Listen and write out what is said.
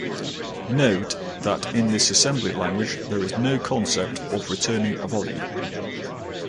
Note that in this assembly language, there is no concept of returning a value.